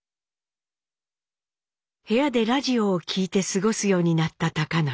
部屋でラジオを聴いて過ごすようになった貴教。